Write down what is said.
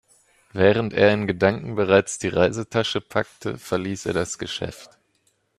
Während er in Gedanken bereits die Reisetasche packte, verließ er das Geschäft.